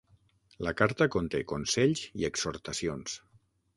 La carta conté consells i exhortacions.